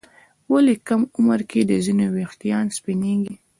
ولې کم عمر کې د ځینو ويښتان سپینېږي؟